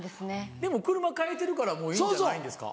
でも車替えてるからもういいんじゃないんですか？